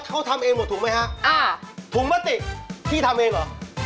เขาทำเองหมดถูกไหมฮะอ่าถุงมติพี่ทำเองเหรอ